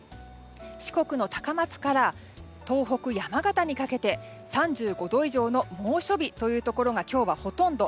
四国の高松から東北、山形にかけて３５度以上の猛暑日というところが今日はほとんど。